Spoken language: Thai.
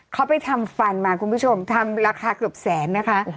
เขาไปทำฟันมาคุณผู้ชมทำราคาเกือบแสนนะคะ